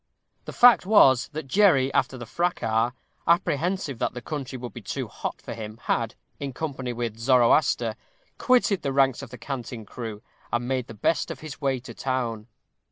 The fact was, that Jerry, after the fracas, apprehensive that the country would be too hot for him, had, in company with Zoroaster, quitted the ranks of the Canting Crew, and made the best of his way to town.